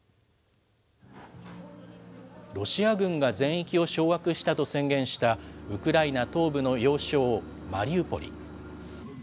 ロシア軍が全域を掌握したと宣言したウクライナ東部の要衝マリウポリ。